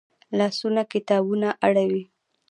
لاسونه کتابونه اړوي